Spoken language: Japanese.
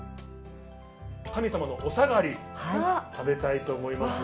神様のおさがりを食べたいと思います。